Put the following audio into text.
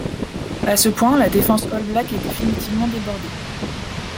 À ce point, la défense All-Black est définitivement débordée.